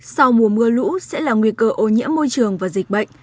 sau mùa mưa lũ sẽ là nguy cơ ô nhiễm môi trường và dịch bệnh